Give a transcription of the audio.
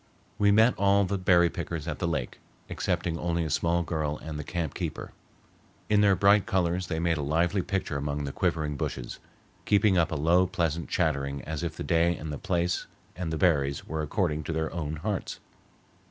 We met all the berry pickers at the lake, excepting only a small girl and the camp keeper. In their bright colors they made a lively picture among the quivering bushes, keeping up a low pleasant chanting as if the day and the place and the berries were according to their own hearts.